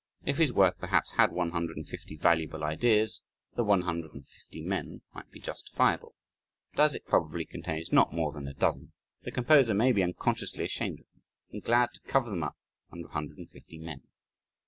If his work perhaps had one hundred and fifty valuable ideas, the one hundred and fifty men might be justifiable but as it probably contains not more than a dozen, the composer may be unconsciously ashamed of them, and glad to cover them up under a hundred and fifty men.